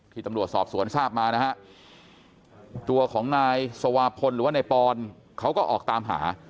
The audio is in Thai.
ตำรวจสอบสวนทราบมานะฮะตัวของนายสวาพลหรือว่านายปอนเขาก็ออกตามหา